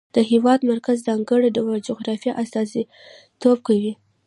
د هېواد مرکز د ځانګړي ډول جغرافیه استازیتوب کوي.